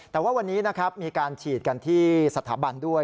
แต่ว่าวันนี้นะครับมีการฉีดกันที่สถาบันด้วย